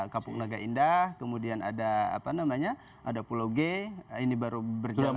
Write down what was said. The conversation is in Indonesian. kapung naga indah kemudian ada pulau g ini baru berjalan lagi